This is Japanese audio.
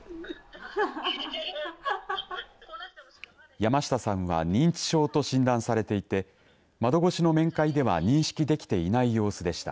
山下さんは認知症と診断されていて窓越しの面会では認識できていない様子でした。